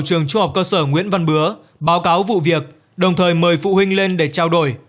trường trung học cơ sở nguyễn văn bứa báo cáo vụ việc đồng thời mời phụ huynh lên để trao đổi